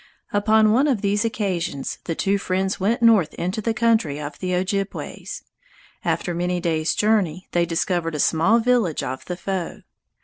Upon one of these occasions the two friends went north into the country of the Ojibways. After many days' journey, they discovered a small village of the foe.